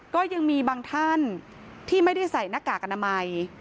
ก็ยังมีบางท่านที่ไม่ได้ใส่หน้ากากอนามัย